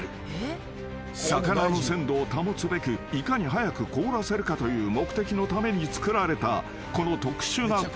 ［魚の鮮度を保つべくいかに早く凍らせるかという目的のためにつくられたこの特殊な氷］